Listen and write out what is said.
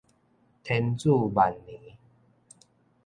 天子萬年